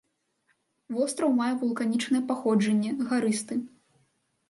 Востраў мае вулканічнае паходжанне, гарысты.